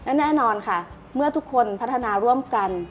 และแน่นอนค่ะเมื่อทุกคนพัฒนาร่วมกัน